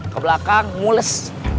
ke belakang mules